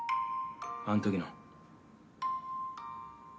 あん時の。